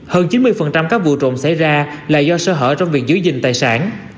hơn chín mươi các vụ trộm xảy ra là do sơ hở trong việc giữ gìn tài sản